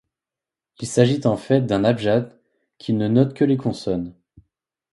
Il s'agit en fait d'un abjad, qui ne note que les consonnes.